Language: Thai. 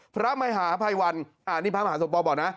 พระมหาภัยวันอ่านี่พระมหาศพบอกนะ